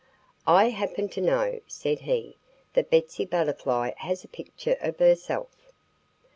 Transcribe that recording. "I happen to know," said he, "that Betsy Butterfly has a picture of herself."